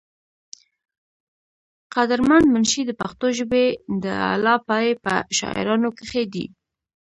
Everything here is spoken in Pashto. قدر مند منشي د پښتو ژبې د اعلى پائي پۀ شاعرانو کښې دے ۔